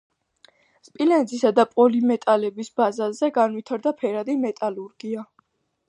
სპილენძისა და პოლიმეტალების ბაზაზე განვითარდა ფერადი მეტალურგია.